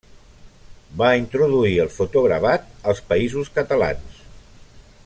Va introduir el fotogravat als Països Catalans.